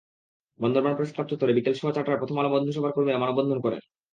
Bandarban press club চত্বরে বিকেল সোয়া চারটায় প্রথম আলো বন্ধুসভার কর্মীরা মানববন্ধন করেন।